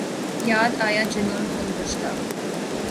یاد آیا جنون گم گشتہ